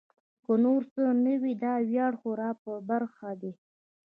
که نور څه نه وي دا ویاړ خو را په برخه دی.